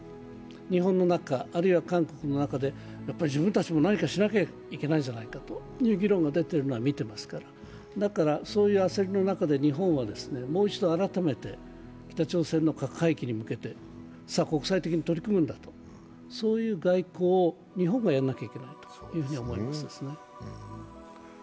日本の中あるいは韓国の中で、自分たちも何かしなきゃいけないんじゃないかと見ていますから、そういう焦りの中で日本はもう一度改めて北朝鮮の核廃棄に向けて国際的に取り組むんだという外交を日本がやらなければならないというふうに思いますね。